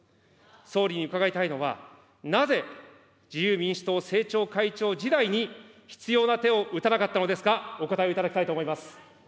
総理に伺いたいのは、なぜ自民党政調会長時代に必要な手を打たなかったのですか、お答えをいただきたいと思います。